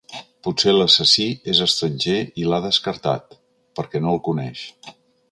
Potser l'assassí és estranger i l'ha descartat, perquè no el coneix.